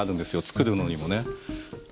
作るのにもね。